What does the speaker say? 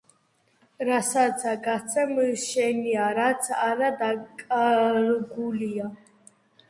რასაცა გასცემ ,შენია რაც არა დაკარგულია